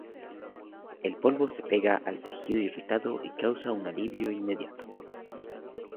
El polvo se pega al tejido irritado y causa un alivio inmediato.